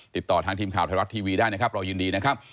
ติดต่อทางทีมข่าวไทยรัฐทีวีได้นะครับเรายินดีนะครับ